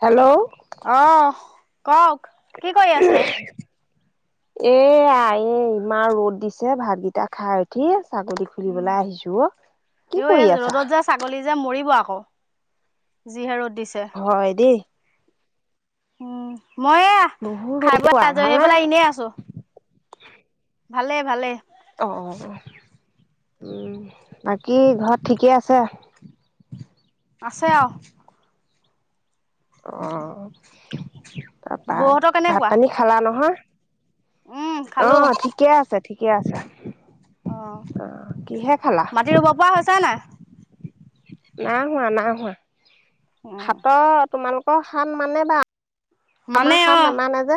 Hello অহ কওক কি কৰি আছে এ আ এ ইমাৰ ৰ'দ দিছে ভাতগিটা খাই উঠি ছাগলী উম খুলিবলৈ আহিছো অ কি ইও এই কৰি আছা ৰ'দত [unintelligible] হই দেই উ মই বহুত ৰ'দ খাই কোৱা বোৱা আজৰি আহি ভালনে পেলাই এনে আছো ভালেই ভালে অঁ উম বাকী ঘৰত ঠিকে আছে আছে অ অ তাৰপা বৌহঁতৰ কেনেকুৱা? ভাত পানী খালা নহয় উম খালো আহ ঠিকে আছে ঠিকে আছে অ আহ কিহে খালা মাটি ৰুব পৰা হৈছে নাই? না হোৱা না হোৱা উম হাতৰ তোমালোকৰ হাত মানে বা মানে আমাৰ অ সাত নামানে হে,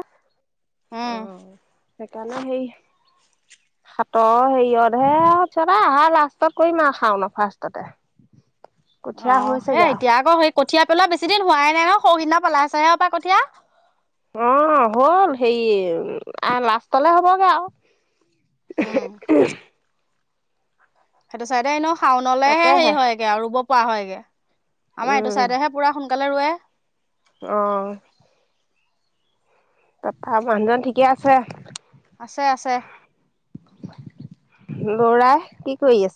অ'! উম সেইকাৰণে সেই সাতৰ হেৰিয়ত হে, আহাৰ লাষ্টত কৰিম আও, শাওন ফাৰ্ষ্টতে। [unintelligible] কঠীয়া অ', এ হৈছেগে আৰু এতিয়া আকৌ সেই কঠীয়া পেলোৱা বেছি দিন হোৱাই নাই ন। সৌ সিদিনা পেলাইছেহে কঠীয়া। অ' হ'ল হেৰি লাষ্টলে হ'বগে আও। উম [unintelligible] সেইটো চাইডে এনেও শাওনলেহে হেৰি তাকেহে হয়গে আৰু ৰুব পৰা হয়গে। আমাৰ এইটো চাইডেহে পুৰা সোনকালে ৰোৱে। আহ। [unintelligible] মানুহজন ঠিকে আছে। আছে আছে। ল'ৰা কি কৰি আছে?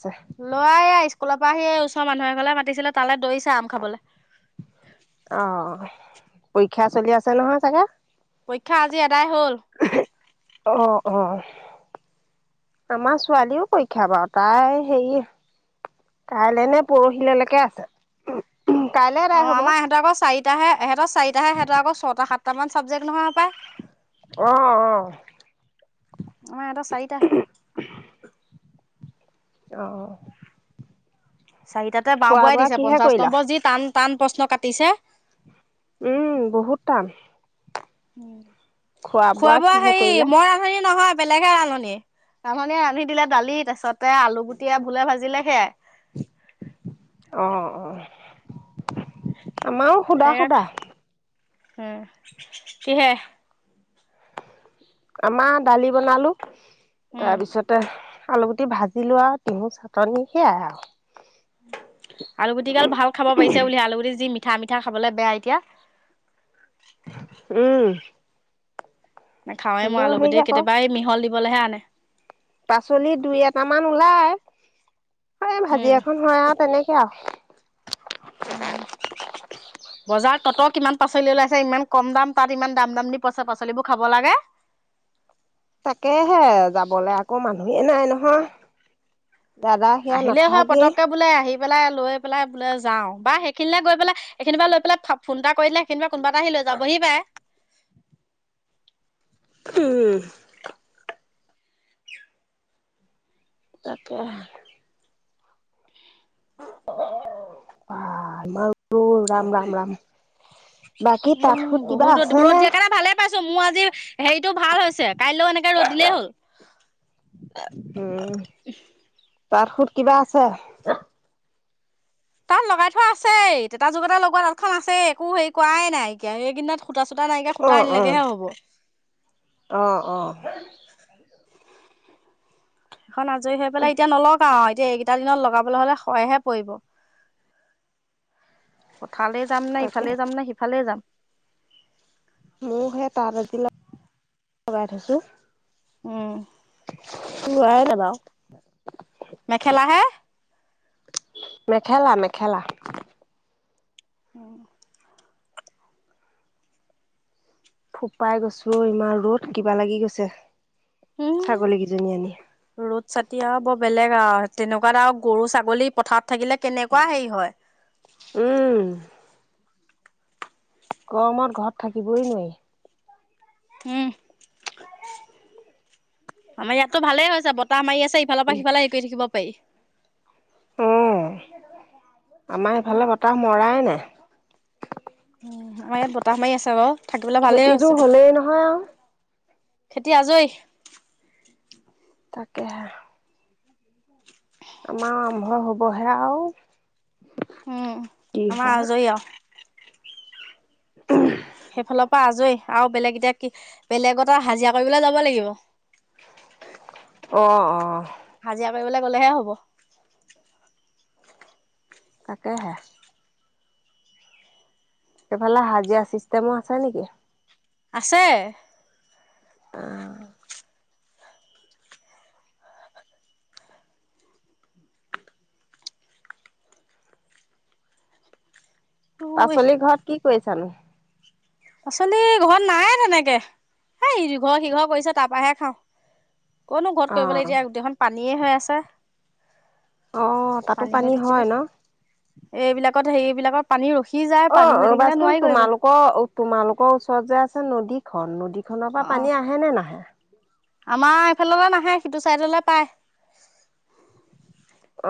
ল'ৰা এই স্কুলৰ পৰা আহি ওচৰৰ মানুহ এ ঘলে মাতিছিলে তালৈ দৌৰিছে আম খাবলৈ। অ পৰীক্ষা চলি আছে নহয় চাগে। পৰীক্ষা আজি এদাই হ'ল। অ' অ' আমাৰ ছোৱালীও পৰীক্ষা বাৰ তাই হেৰি কাইলে নে পৰহিললৈকে আছে। কাইলে এদাই অ হ'ব আমাৰ ইহঁত আকৌ চাৰিাহে ইহঁত চাৰিটাহে সিহঁতৰকৌ ছটা সাতটা মান চাবজেক্ট নহয় হপাই। অ' আমাৰ এটা চাৰিটাাহে [inaudible] অঁ। চাৰিটাতে বওঁ বোৱাই দিছে কিহে পঞ্চাশ কৰিলা? নম্বৰ যি টান টান প্ৰশ্ন কাটিছে। উম বহুত টান। খোৱা বোৱা হেৰি মই ৰান্ধনী নহয় বেলেগে ৰান্ধনী। ৰান্ধনিয় ৰান্ধি দিলে দালি তাৰপিছতে আলু গুটি ভুলে ভাজিলে সেয়াই। অ' অ' আমাৰো সুধা সেয়া সুধা। উম, কিহে? আমাৰ দালি বনালো উম। তাৰপিছতে আলুু টি ভাজি লোৱা আৰু িহু চাটনি সেয়াই আৰু [inaudible] আলুগুটিকাল ভাল খাব পাৰিছে বুলি আলুগুটি যিম পিঠা মিঠা খাবলৈ বেয়া এতিয়া। উম। নেখাওঁ মই হ'লেও আলো হেৰি গতিে আকৌ কেতিয়াবা এই মিহল দিবলৈহে আনে। পাচলি দুই এটামান ওলাই। এই ভাজি এখন উম হয় আৰু তেনেকে আৰু। উম [unintelligible] বজাৰত কিমান পাচলি ওলাইছে ইমান কম দাম, তাত ইমান দাম দাম দি পইছা পাচলিবোৰ খাব লাগে। তাকেহে যাবলৈ আকৌ মানুহেই নাই নহয়। দাদা সেয়া আহিলে হয় নাথাকেই পতককে বোলে আহি, পেলাই লৈ পেলাই বোলে যাও। বা সেইখিনিল গৈ পেল এইখিনিিব লৈ পেলাই ফোন এটা কৰিলে সেইখিনি কোনোবা এটা আহি লৈ যাবহি পাৰে। উম। তাকে। অ বাহ ইমান। উ ৰাম ৰাম ৰাম, বাকী তাঁত উম সুত বহুত কিবা ৰ'দ আছে ৰ'দ নে? দিয়াৰ কাৰণে ভালে পাইছো মোৰ আজি হেৰিতটো ভাল হৈছে। কাইলৈও এনেকে ৰ'দিলেই হ'ল। উম তাত সুত কিবা আছে। তাত লগাই থোৱা আছেই, যুগটা লগোৱা তাল খন আছে একো হেৰি কৰাৱাই নাইকিয়া এইদিনত, সূটা চূতা নাইকিয়া সূতা অ', অ', আনিলাগেহে হ'ব। অ অ। এখন আজৰি হৈ পেলাই এতিয়া নলগাও আও এতিয়া এইকিটা দিনত লগাবলে হলে শয়েহে পৰিব। পথাৰলে যাম নে তাকে ইফালে যাম নে সিফালে যাম। মো সেই তাঁত এজোটা লগাই থৈছো। উম। ওলায়ে নাযাও। মেখেলা হে? মেখেলা মেখেলা। [unintelligible] ফোপাই গৈছো অ ইমান ৰ'দ কিবা লাগি গৈছে। ছাগলী কেইজনী আনি উম ৰ'দ ছাতিয় আও ব বেলেগ আও তেনেকুৱাত আও গৰু, ছাগলী পথাৰত থাকিলে কেনেকুৱা হেৰি হয়। উম। গৰমত ঘৰত থাকিবই নোৱাৰি। উম। আমাৰ ইয়াতটো ভালেই হৈছে বতাহ মাৰি আছে ইফালৰ পৰা সিফালে হেৰি কৰি থাকিব পাৰি। অ আমাৰ এইফালে বতাহ মৰাই নাই। আমাৰ ইয়াত বতাহ মাৰি আছে বাও থাকিবলে ভালেই খেতিটো হৈছে। হ'লেই নহয় আৰু খেতি আজৰি? তাকেহে। আমাৰ আৰম্ভ হ'বহে আও। উম, আমাৰ আজৰি আও। সেইফালৰ পৰা আজৰি আও বেলেগ এতিয়া কি বেলেগত আও হাজিৰা কৰিবলৈ যাব লাগিব। অ অ। হাজিৰা মাৰিবলৈ গ'লেহে হব। তাকেহে। সেইফালে হাজিৰা চিষ্টেমো আছে নি? আছে। অহ। ঐ পাচলি ঘৰত কি কৰিছানো? পাচলি ঘৰত নাই তেনেকে। এই ইঘৰ-সিঘৰ কৰিছে তাৰ পাহে খাওঁ। কনো ঘৰত অ কৰিবলে এতিয়া গোটেখন পানীয়ে হৈ আছে। অ তাতো হৈ পানী থাকিলে হয় ন? এইবিলাকত হে এইবিলাকৰ পানী ৰখি যায় অ পানী হৈ থাকিলে ৰবাচোন নোৱাৰি কৰিব তোমালোকৰ তোমালোকৰ ওচৰত যে আছে নদীখন নদীখনৰ পৰা অ পানী আহে নে নাহে? আমাৰ এইফাললে নাহে সিটো চাইডলে পায়।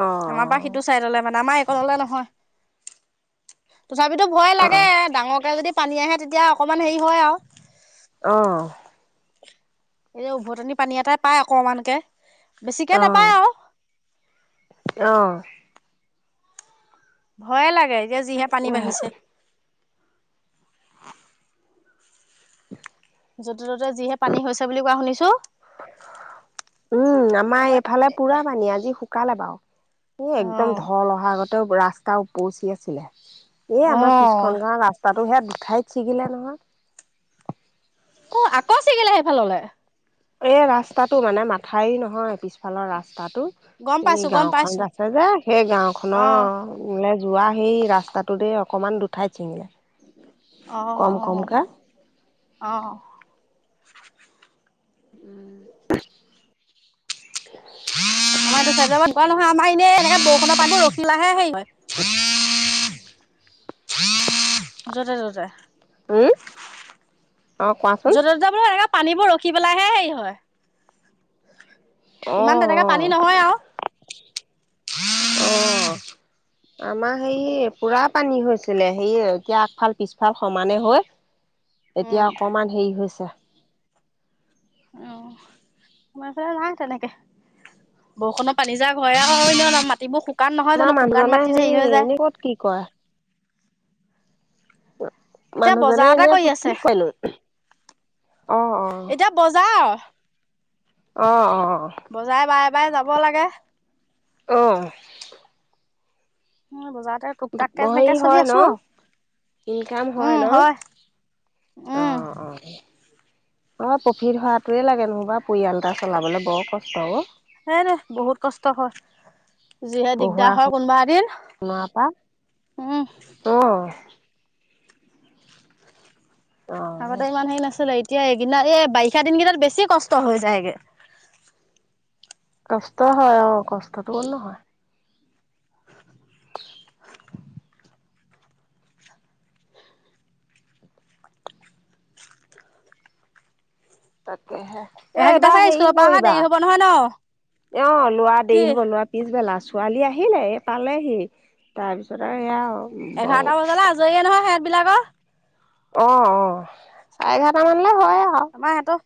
অ আমাৰ পৰা সিটো চাইডলে মানে আমাৰ এইকনলে নহয়। তথাপিতো ভয় অ লাগে ডাঙৰকে যদি পানী আহে তেতিয়া অকণমান হেৰি হয় আও। অহ। এই উভতনি পানী এটাই পায় অকমানকে বেছিকে নাপায় আও। অহ। ভয়ে লাগে এতিয়া যিহে পানী বাঢ়িছে। য'তে - ত'তে যিহে পানী হৈছে বুলি কোৱা শুনিছো। উম আমাৰ এইফালে পুৰা পানী আজি শুকালে বাও এ একদম অ', ধল অহাগ ৰাস্তা উপচি আছিলে, এই আমাৰ অ', পিছখন গাওঁৰ ৰাস্তাত আৰু সেই দুঠাইত ছিগিলে নহয়। অ', আকৌ ছিগিলে সেইফাললে? এই ৰাস্তাটো মানে মাথাই নহয় পিছফালৰ ৰাস্তা গম ৰাস্তা পাইছো, এই গম গাওঁখন পাইছো। আছে যে সেই গাওঁ অ', খনৰ যোৱা সেই ৰাস্তাটোতে অকনমান দুঠাই ছিঙিলে। অহ কম অহ কমকে অহ উম আমাৰ এইটো চাইাবকুৱা নহয় আমাৰ এনেইনেকে বৰষুণৰ পাৰব ৰখিলাহে হে হয়। য'তে ত'তে উ অ' কোৱাচোন য'তে ত'তে বোলো এনেকে পানীবোৰ ৰখি পেলাইাহে হেৰি হয়। ইমান অহ তেনেকে পানী অহ নহয় আৰু অহ আমাৰ হে পুৰা পানী হৈছিলে সে এতিয়া আগফাল পিছফাল সমানে হয়। এতিয়া উম, অকমান হেৰি হৈছে। অ' মছলা নাই তেনেকে বৰষুণত পানী যা ঘ হয় ন মাটিবোৰ শু শুকান নহয় আমাৰ জানো শুকান মানুহজনে মাটিত হেৰি হৈ যায়। এনে ক'ত কি কয় এতিয়া মানুহজনে বজাৰতে এনেই কৰি কি আছে কলো এতিয়া বজাৰ অ', অ', বজাই বাই বাই যাব লাগে। অহ। মই বজাৰ হেৰি হয় ন'? ইনকাম হয় ন'? উম অ', অ'। অ', প্ৰ'ফিট হোৱাটোৱে লাগে নহ'বা পৰিয়াল এটা চলাবলে বৰ কষ্ট অ'। হে নে বহুত কষ্ট হয়। যিহে পঢ়োৱা দিগদাৰ হয় কোনোবা এদিন, শুনোৱাৰ পৰা উম। অ অ আগতে ইমান হেৰি নাছিলে, এত তিয়া [unintelligible] এই বাৰিষা দিন কেইটাত বেছি কষ্ট হৈ যায়গে। কষ্ট হয় অ', কষ্টটো নহয়। [inaudible] এ এহেইকেইটা এবাৰ চাগে হেৰি স্কুলৰ পৰা অহা কৰিবা। দেৰি হব নহয় ন অ', লোৱা দেৰি কি হ'ব, লোৱা পিছবেলা, চো ছোৱালী আহিলে, এই পালেহি তাৰপিছত আৰু এইয়া আৰু এঘাৰটা বজালৈ আজৰিয়ে নহয় সিহঁত বিলাকৰ। অ', অ', চাৰে এঘাৰটা মান আমাৰ ইহঁতক,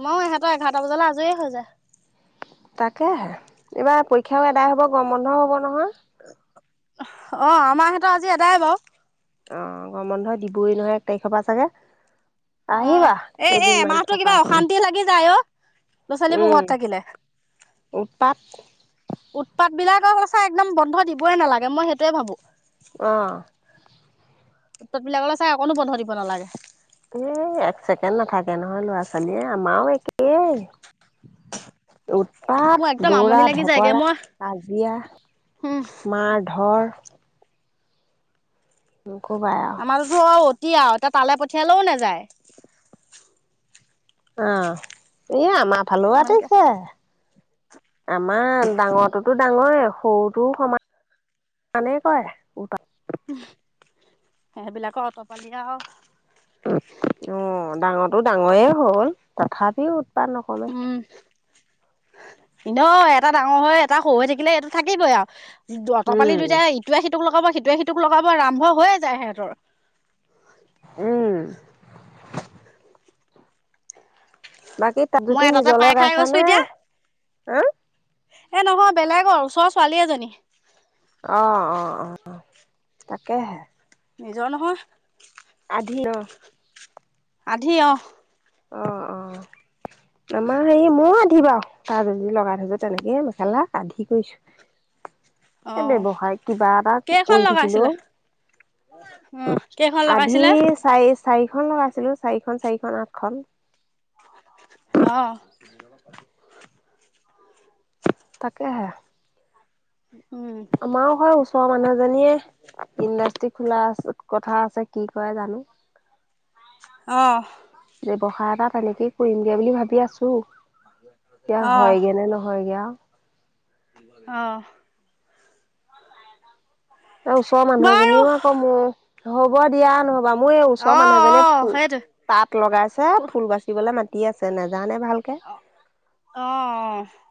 আমাৰো ইহঁতৰ এঘাৰটা বজালৈ আজৰি হৈ যায়। তাকে এইবাৰ পৰীক্ষাও এদায় হ'ব গৰম বন্ধও হ'ব নহয়। অ', আমাৰ সিহঁতৰ আজি এদায় বাৰু। অ', গৰম বন্ধ হয় দিবই নহয় এক তাৰিখৰ পৰা চাগে। অহ, আহিবা এ, এ, কেইদিনমান এমাহটো কিবা থকাকে অশান্তি লাগি যায় অ'। ল'ৰা-ছোৱালীবোৰ উম ঘৰত থাকিলে। উৎপাত। উৎপাতবিলাকৰ সঁচা একদম বন্ধ দিবই নালাগে মই সেইটোৱে ভাবো। অ'। [unintelligible] বিলাকলে চাই অকণো বন্ধ দিব নালাগে। উম, একচেকেণ্ড নাথাকে নহয় ল'ৰা-ছোৱালীয়ে। আমাৰো একেই। উৎপাত, মোৰ একদম আমনি লাগি যায়গে দৌৰা-ধপৰা, মই কাজিয়া উম মাৰ-ধৰ। নকবাই আৰু আমাৰতোটো অতি আৰু এতিয়া তালৈ পঠিয়ালেও নাযায়। অ', ই আমাৰ ফালেও ইমানকে আতিছে। আমাৰ ডাঙৰটোতো ডাঙ নয় সৰুটোও সমানানেই কয় উপাত সেইবিলাকৰ অট'পালি আও অ ডাঙৰটো ডাঙৰে হ'ল তথাপিও উৎ পাত নকমে। ন এটা ডাঙৰ হৈ এটা হৈ হৈ থাকিলে এইটো থাকিবই আও। দোৱাত পালি উম দুটাই ইটোৱে সিটোক লগাব সিটোৱে সিটোক লগাব আৰম্ভ হৈয়ে যায় সেহঁতৰ। উম। বাকী তাত মই এটাতে পাই খাই গৈছো এতিয়া [unintelligible] এ নহয় বেলেগৰ ওচৰ ছোৱালী এজনী। অ', অ', অ', তাকেহে। নিজৰ নহয়। আধি ন আধি অ। অ অ। আমাৰ হেই ময়ো আধি বা তাৰ যদি লগাই থৈছো তেনেকে মেখেলা আধি কৰিছো। অ ব্যৱহাৰ কিবা এটা কেইখন কৰি থাকিলে। লগাইছিলে অ কেইখন আধি লগাইছিলে চাৰি চাৰিখন লগাইছিলো চাৰিখন চাৰি আঠখন। অ। তাকেহে উম আমাৰ ঘৰ ওচৰৰ মানুহ এজনীয়ে ইণ্ডাষ্ট্ৰি খোলা আছে। কথা আছে কি কয় জানো। অহ ', ব্যৱসায় এটা তেনেকেই কৰিমগে বুলি ভাবি আছো। এতিয়া হয়গে নে নহয়গে। অহ ', এ ওচৰৰ মানুহ এজনীও আকৌ মোৰ, হ'ব দিয়া নহ মোৰ এই অ ওচৰৰ মানুহ অ জীয়ে ফুল সেইটো তাঁত লগাইছে ফুল বাচিবলে মাতি আছে, নেযা নে ভালকে অ অ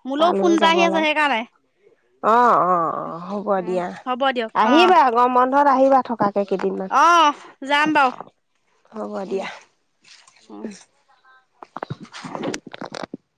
মোলৈও ফোন তালৈও এটা যাব আহি আছে লাগে। সেইকাৰণে অ', অ', অ', হ'ব উম দিয়া, হ'ব দিয়ক অ আহিবা গৰম বন্ধত আহিবা থকাকে কেইদিনমান। অ যাম বাৰু হ'ব উম দিয়া। উম উম [unintelligible]